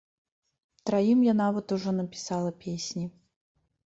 Траім я нават ужо напісала песні.